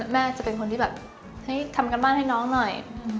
แม่จะเป็นคนที่แบบให้ทำการบ้านให้น้องหน่อย